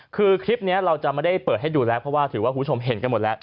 คือคลิปนี้เราจะไม่ได้เปิดให้ดูแล้วเพราะว่าถือว่าคุณผู้ชมเห็นกันหมดแล้ว